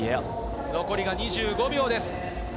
残り２５秒です。